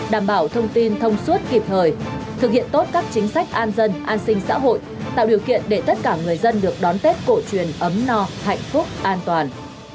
đảm bảo thông tin thông suốt kịp thời thực hiện tốt các chính sách an dân an sinh xã hội tạo điều kiện để tất cả người dân được đón tết cổ truyền ấm no hạnh phúc an toàn